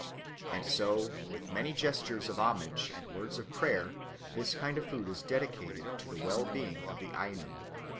And so with many gestures of homage and words of prayer this kind of food is dedicated to the well being of the Ainu.